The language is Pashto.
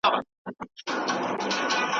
بانکداري د پياوړي اقتصاد لپاره ډېره مهمه ده.